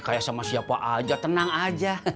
kayak sama siapa aja tenang aja